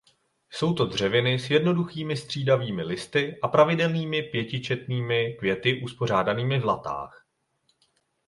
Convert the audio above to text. Jsou to dřeviny s jednoduchými střídavými listy a pravidelnými pětičetnými květy uspořádanými v latách.